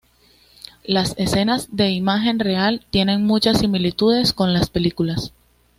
Las escenas de imagen real tienen muchas similitudes con las películas.